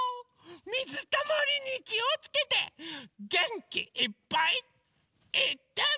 みずたまりにきをつけてげんきいっぱいいってみよう！